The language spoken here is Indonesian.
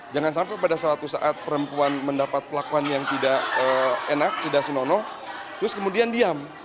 jangan sampai pada suatu saat perempuan mendapat pelakuan yang tidak enak tidak senonoh terus kemudian diam